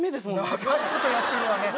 長いことやってるわね